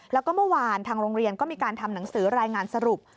แล้วก็เมื่อวานทางโรงเรียนก็มีการทำหนังสือรายงานสรุป